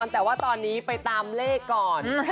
แต่ว่าตอนนี้ไปตามเลขก่อน